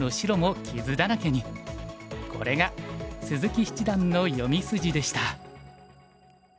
これが鈴木七段の読み筋でした。